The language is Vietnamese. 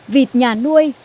vịt nhà nuôi